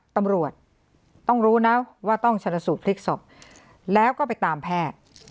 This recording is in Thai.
ตำรวจต้องรู้นะว่าต้องชนะสูตรพลิกศพแล้วก็ไปตามแพทย์